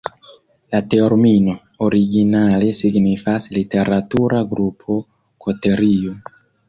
La termino originale signifas "literatura grupo","koterio".